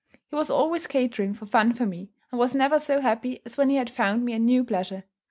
He was always catering for fun for me, and was never so happy as when he had found me a new pleasure.